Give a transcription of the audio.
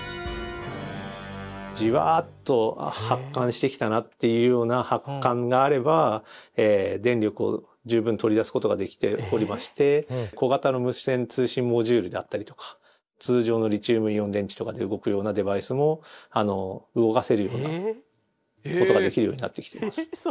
じわっと発汗してきたなっていうような発汗があれば電力を十分取り出すことができておりまして小型の無線通信モジュールであったりとか通常のリチウムイオン電池とかで動くようなデバイスも動かせるようなことができるようになってきています。